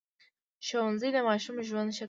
ښوونځی د ماشوم ژوند ښه کوي